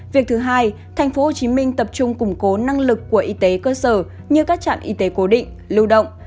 việc thứ hai tp hcm tập trung củng cố năng lực của y tế cơ sở như các trạm y tế cố định lưu động